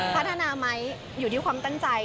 พัฒนาไหมอยู่ที่ความตั้งใจ